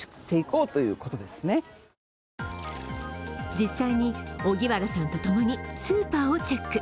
実際に荻原さんとともにスーパーをチェック。